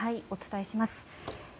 お伝えします。